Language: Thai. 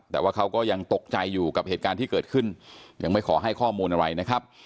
แต่ว่าเขาก็ยังตกใจอยู่กับเหตุการณ์ที่เกิดขึ้นยังไม่ขอให้ข้อมูลอะไรนะครับ